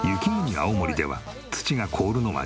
青森では土が凍るのは日常。